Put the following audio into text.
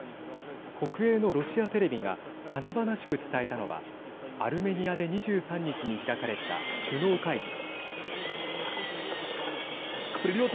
国営のロシアテレビが華々しく伝えたのはアルメニアで２３日に開かれた首脳会議。